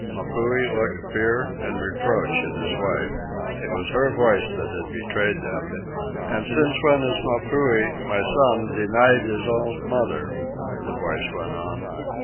Mapuhi looked fear and reproach at his wife. It was her voice that had betrayed them. "And since when has Mapuhi, my son, denied his old mother?" the voice went on.